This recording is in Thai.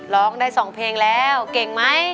ร้องได้๒เพลงแล้วเก่งไหม